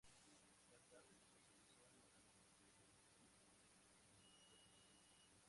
Más tarde se especializó en la investigación, y diseño de nuevos modelos sociales.